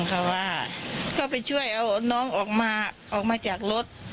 เขาว่าก็ไปช่วยเอาน้องออกมาออกมาจากรถ